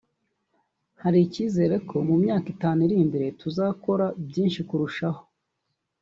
Hari icyizere ko mu myaka itanu iri imbere tuzakora byinshi kurushaho